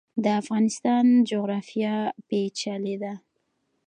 د افغانستان جغرافیا پیچلې ده